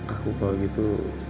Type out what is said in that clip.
aku kalau gitu